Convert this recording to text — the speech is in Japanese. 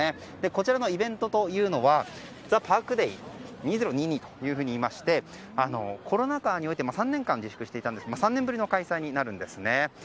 こちらのイベントというのはＰＡＲＫＤＡＹ２０２２といいまいてコロナ禍において３年間自粛していて３年ぶりの開催になるんですね。